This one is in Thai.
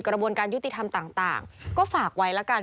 กระบวนการยุติธรรมต่างก็ฝากไว้แล้วกัน